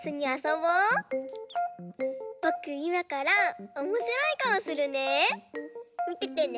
ぼくいまからおもしろいかおするね。